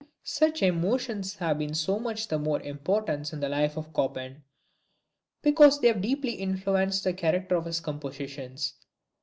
Such emotions have been of so much the more importance in the life of Chopin, because they have deeply influenced the character of his compositions.